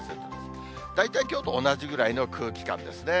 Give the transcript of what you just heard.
大体きょうと同じぐらいの空気感ですね。